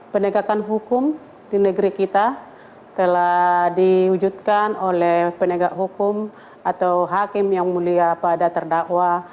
penegakan hukum di negeri kita telah diwujudkan oleh penegak hukum atau hakim yang mulia pada terdakwa